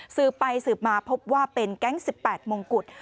สืบไปสืบมาพบว่าเป็นแก๊ง๑๘มงกุฎ